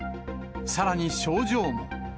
さらに症状も。